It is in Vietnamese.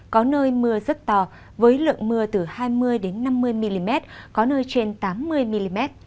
có nơi mưa rất to với lượng mưa từ hai mươi năm mươi mm có nơi trên tám mươi mm